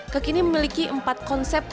kekini memiliki empat konsep